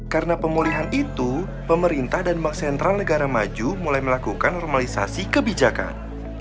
karena pemulihan itu pemerintah dan bank sentral negara maju mulai melakukan normalisasi kebijakan